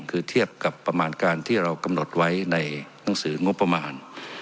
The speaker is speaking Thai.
คือเทียบกับประมาณการที่เรากำหนดไว้ในหนังสืองบประมาณ